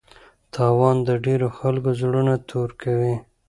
تاوان د ډېرو خلکو زړونه توري کوي.